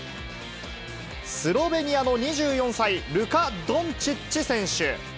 スロベニアの２４歳、ルカ・ドンチッチ選手。